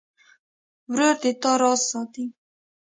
ورور د تا راز ساتي.